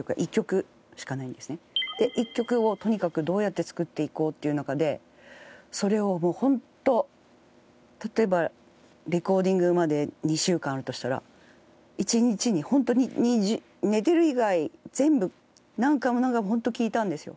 １曲をとにかくどうやって作っていこうっていう中でそれを本当例えばレコーディングまで２週間あるとしたら１日に本当に寝てる以外全部何回も何回も本当聴いたんですよ。